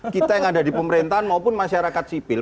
kita yang ada di pemerintahan maupun masyarakat sipil